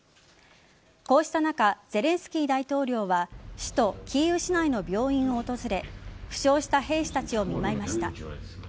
こうした中ゼレンスキー大統領は首都・キーウ市内の病院を訪れ負傷した兵士たちを見舞いました。